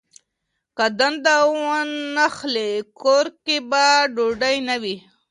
که دنده وانخلي، کور کې به ډوډۍ نه وي.